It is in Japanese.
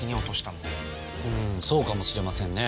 うーんそうかもしれませんね。